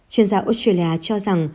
chuyên gia australia cho rằng